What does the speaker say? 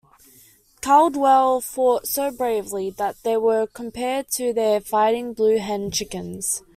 Caldwell fought so bravely that they were compared to their fighting blue hen chickens.